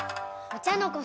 お茶の子